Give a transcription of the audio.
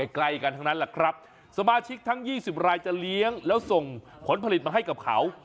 ใกล้กันทั้งนั้นแหละครับสมาชิกทั้ง๒๐รายจะเลี้ยงแล้วส่งผลผลิตมาให้กับเขา